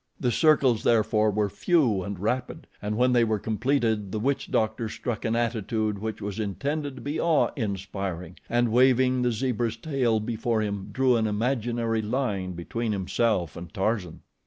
The circles therefore were few and rapid, and when they were completed, the witch doctor struck an attitude which was intended to be awe inspiring and waving the zebra's tail before him, drew an imaginary line between himself and Tarzan.